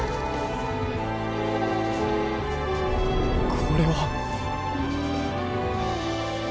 これは。